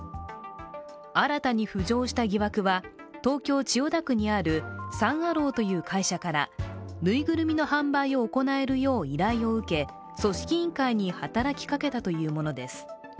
新たに浮上した疑惑は、東京・千代田区にあるサン・アローという会社からぬいぐるみの販売を行えるよう依頼を受け組織委員会に働きかけたというものです。